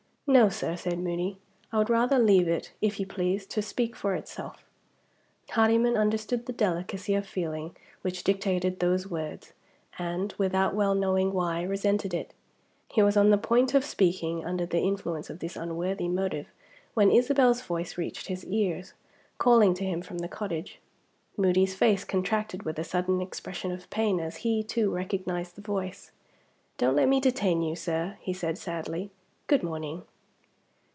"No, sir," said Moody "I would rather leave it, if you please, to speak for itself." Hardyman understood the delicacy of feeling which dictated those words, and, without well knowing why, resented it. He was on the point of speaking, under the influence of this unworthy motive, when Isabel's voice reached his ears, calling to him from the cottage. Moody's face contracted with a sudden expression of pain as he, too, recognized the voice. "Don't let me detain you, sir," he said, sadly. "Good morning!"